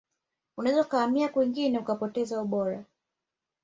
unaweza kuhamia kwingine ukapoteza ubora